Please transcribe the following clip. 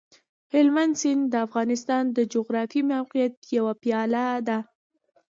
هلمند سیند د افغانستان د جغرافیایي موقیعت یوه پایله ده.